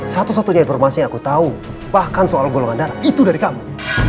satu satunya informasi yang aku tahu bahkan soal golongan darah itu dari kamu